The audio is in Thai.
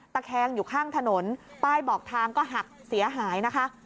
ตะแคงอยู่ข้างถนนป้ายบอกทางก็หักเสียหายนะคะ